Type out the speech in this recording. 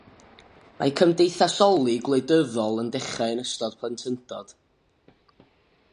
Mae cymdeithasoli gwleidyddol yn dechrau yn ystod plentyndod.